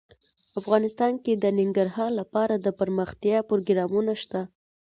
افغانستان کې د ننګرهار لپاره دپرمختیا پروګرامونه شته.